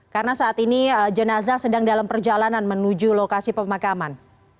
karena saat ini jenazah sedang dalam perjalanan menuju lokasi pemakaman